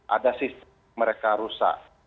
ada sistem mereka rusak